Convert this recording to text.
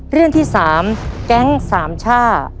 เรื่องที่๓แก๊งสามช่า